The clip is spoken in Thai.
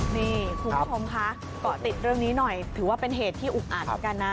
นี่คุณผู้ชมคะเกาะติดเรื่องนี้หน่อยถือว่าเป็นเหตุที่อุกอัดเหมือนกันนะ